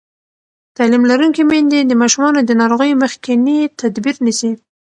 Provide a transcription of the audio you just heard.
تعلیم لرونکې میندې د ماشومانو د ناروغۍ مخکینی تدبیر نیسي.